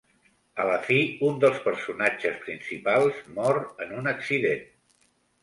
A la fi, un dels personatges principals mor en un accident.